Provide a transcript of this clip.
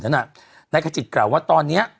นั่นอ่ะในขณะจิตกล่าวว่าตอนเนี้ย